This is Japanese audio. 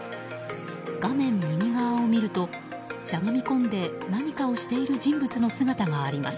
画面右側を見るとしゃがみ込んで何かをしている人物の姿があります。